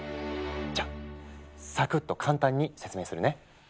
じゃあサクッと簡単に説明するね。